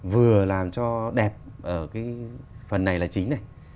vừa làm cho đẹp ở cái phần này là chính này